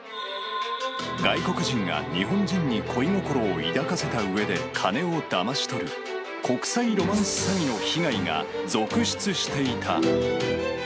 外国人が日本人に恋心を抱かせたうえで金をだまし取る、国際ロマンス詐欺の被害が続出していた。